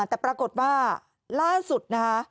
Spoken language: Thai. แต่ปรากฏว่าล่าสุดนะคะ